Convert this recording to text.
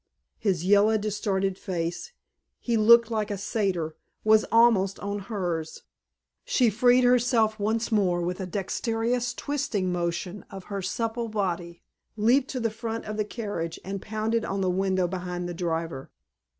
His yellow distorted face he looked like a satyr was almost on hers. She freed herself once more with a dexterous twisting motion of her supple body, leaped to the front of the carriage and pounded on the window behind the driver.